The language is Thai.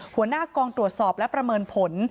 หัวหน้ากองตรวจสอบและประเมินผล